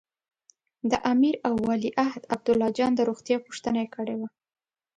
د امیر او ولیعهد عبدالله جان د روغتیا پوښتنه یې کړې وه.